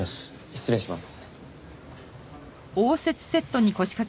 失礼します。